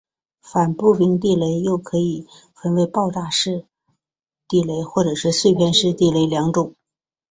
反步兵地雷又可以分为爆炸式地雷或是碎片式地雷二种。